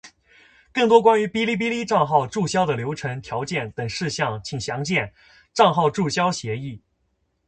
更多关于哔哩哔哩账号注销的流程、条件等事项请详见《账号注销协议》。